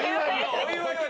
お祝いは。